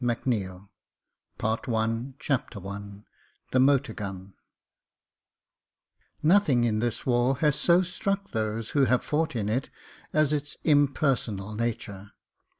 PART ONE PART ONE CHAPTER I THE MOTOR GUN NOTHING in this war has so struck those who have fought in it as its impersonal nature.